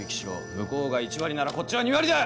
向こうが１割ならこっちは２割だ！